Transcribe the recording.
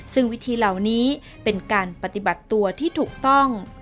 ซึ่งวิธีเหล่านี้เป็นการปฏิบัติตัวที่ถูกต้อง